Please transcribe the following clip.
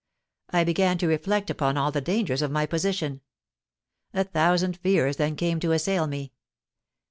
I began to reflect upon all the dangers of my position. A thousand fears then came to assail me.